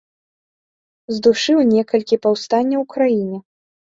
Здушыў некалькі паўстанняў у краіне.